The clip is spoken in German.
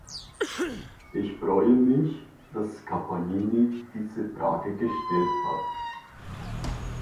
Ich freue mich, dass Scapagnini diese Frage gestellt hat.